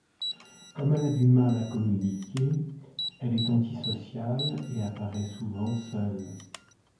Comme elle a du mal à communiquer, elle est anti-sociale et apparaît souvent seule.